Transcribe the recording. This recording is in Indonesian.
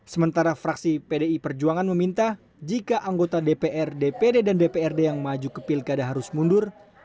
sementara fraksi pdi perjuangan meminta jika anggota dpr dpd dan dprd yang maju ke pilkada harus mundur